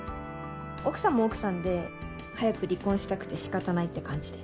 奥さんも奥さんで早く離婚したくて仕方ないって感じで。